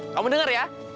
kamu denger ya